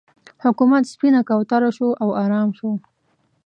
حکومت سپینه کوتره شو او ارام شو.